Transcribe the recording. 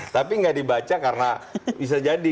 tapi nggak dibaca karena bisa jadi